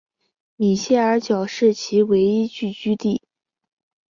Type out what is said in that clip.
米歇尔角是其唯一聚居地。